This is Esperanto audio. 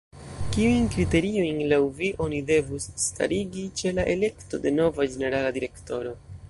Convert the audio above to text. Kiujn kriteriojn laŭ vi oni devus starigi ĉe la elekto de nova ĝenerala direktoro?